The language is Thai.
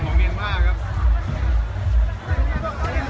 มันอาจจะไม่เอาเห็น